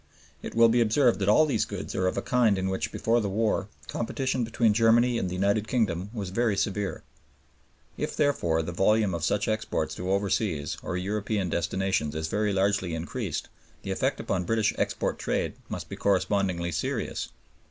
It will be observed that all these goods are of a kind in which before the war competition between Germany and the United Kingdom was very severe. If, therefore, the volume of such exports to overseas or European destinations is very largely increased the effect upon British export trade must be correspondingly serious.